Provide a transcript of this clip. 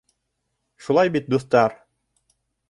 Шулай бит, дуҫтар?